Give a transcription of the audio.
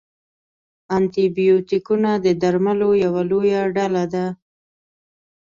انټي بیوټیکونه د درملو یوه لویه ډله ده.